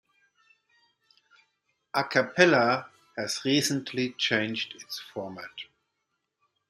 Acappella has recently changed its format.